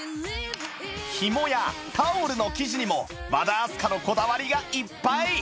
紐やタオルの生地にも和田明日香のこだわりがいっぱい！